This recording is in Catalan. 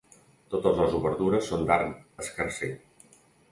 Totes les obertures són d'arc escarser.